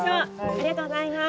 ありがとうございます。